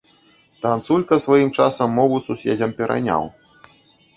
Танцулька сваім часам мову суседзям пераняў.